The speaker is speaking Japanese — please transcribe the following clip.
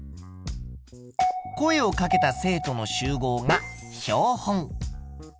声をかけた生徒の集合が標本。